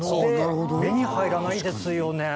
目に入らないですよね。